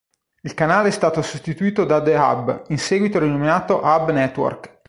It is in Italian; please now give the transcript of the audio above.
Il canale è stato sostituito da The Hub, in seguito rinominato Hub Network.